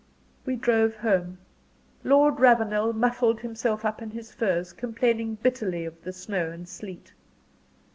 We drove home. Lord Ravenel muffled himself up in his furs, complaining bitterly of the snow and sleet.